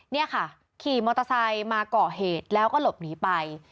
นี่ค่ะขี่มอเตอร์ไซค์มาเกาะเหตุแล้วก็หลบหนีไป